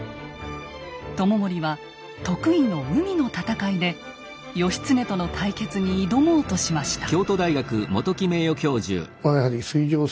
知盛は得意の海の戦いで義経との対決に挑もうとしました。